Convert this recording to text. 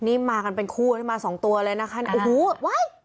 นี่มากันเป็นคู่มา๒ตัวเลยนะคะโอ้โฮ